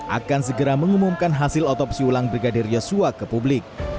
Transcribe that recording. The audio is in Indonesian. akan segera mengumumkan hasil otopsi ulang brigadir yosua ke publik